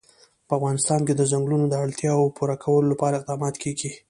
په افغانستان کې د ځنګلونه د اړتیاوو پوره کولو لپاره اقدامات کېږي.